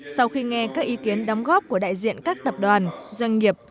sau khi nghe các ý kiến đóng góp của đại diện các tập đoàn doanh nghiệp